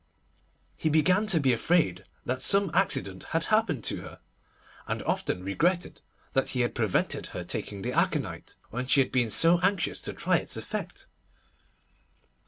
He began to be afraid that some accident had happened to her, and often regretted that he had prevented her taking the aconitine when she had been so anxious to try its effect.